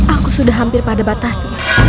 aku sudah hampir pada batasi